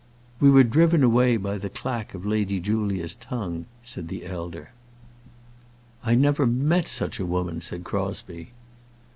"We were driven away by the clack of Lady Julia's tongue," said the elder. "I never met such a woman," said Crosbie.